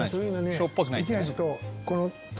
「しょっぱくないでしょ？」